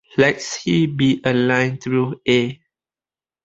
Let "C" be a line through "A".